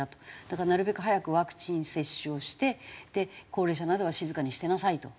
だからなるべく早くワクチン接種をして高齢者などは静かにしてなさいと。